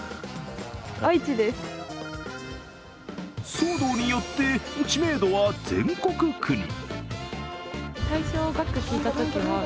騒動によって知名度は全国区に。